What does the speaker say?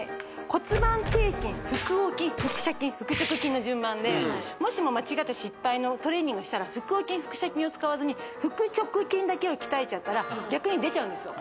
骨盤底筋腹横筋腹斜筋腹直筋の順番でもしも間違って失敗のトレーニングをしたら腹横筋腹斜筋を使わずに腹直筋だけを鍛えちゃったら逆に出ちゃうんですよ